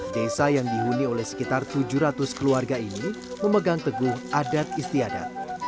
desa yang dihuni oleh sekitar tujuh ratus keluarga ini memegang teguh adat istiadat